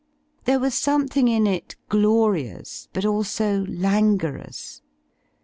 There was something in it glorious — but also languorous.